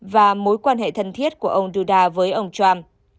và mối quan hệ thân thiết của ông duda với ông trump